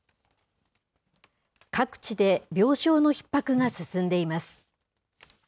各地で病床のひっ迫が進んでいます。